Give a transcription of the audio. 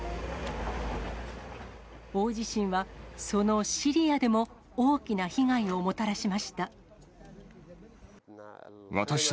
大地震はそのシリアでも大きな被害をもたらしました。